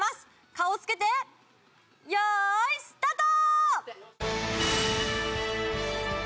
顔をつけてよいスタート！